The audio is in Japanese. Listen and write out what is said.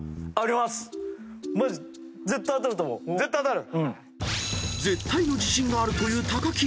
［絶対の自信があるという木。